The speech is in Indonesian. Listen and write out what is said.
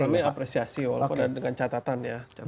ya kami mengapresiasi walaupun ada dengan catatan ya